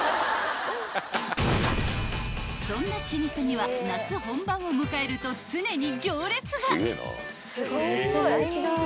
［そんな老舗には夏本番を迎えると常に行列が］